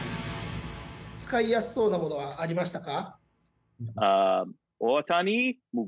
「使いやすそうなものはありましたか？」